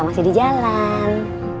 masih di jalan